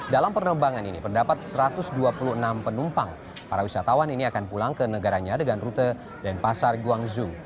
dalam penerbangan ini pendapat satu ratus dua puluh enam penumpang para wisatawan ini akan pulang ke negaranya dengan rute dan pasar guangzhou